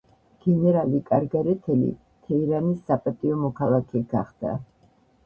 გენერალი კარგარეთელი თეირანის საპატიო მოქალაქე გახდა.